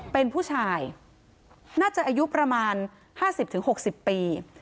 เป็นผู้ชายน่าจะอายุประมาณ๕๐๖๐ปี